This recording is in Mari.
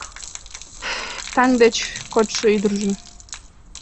Таҥ деч кодшо ӱдыржӧ